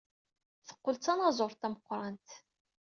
Teqqel d tanaẓurt tameqrant.